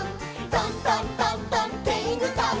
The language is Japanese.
「トントントントンてんぐさん」